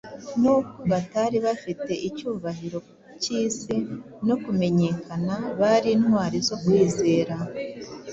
Nubwo batari bafite icyubahiro cy’isi no kumenyekana, bari intwari zo kwizera.